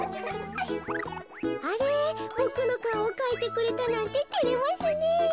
あれボクのかおをかいてくれたなんててれますねえ。